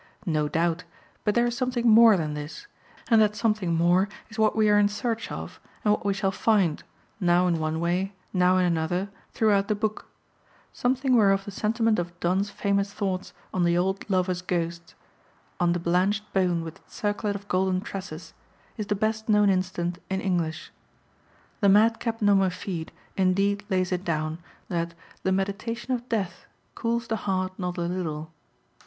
No doubt; but there is something more than this, and that something more is what we are in search of, and what we shall find, now in one way, now in another, throughout the book: something whereof the sentiment of Donne's famous thoughts on the old lover's ghost, on the blanched bone with its circlet of golden tresses, is the best known instance in English. The madcap Nomerfide indeed lays it down, that "the meditation of death cools the heart not a little."